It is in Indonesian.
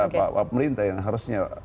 pemerintah yang harusnya